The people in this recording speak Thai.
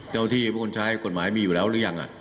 เจ้าที่พวกคุณใช้กฎหมายมีอยู่แล้วหรือยัง